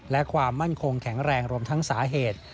และความมั่นคงแข็งแรงรวมทั้งสาเหตุ